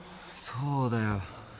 そうだよ。